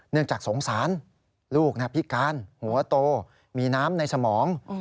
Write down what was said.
จากสงสารลูกพิการหัวโตมีน้ำในสมอง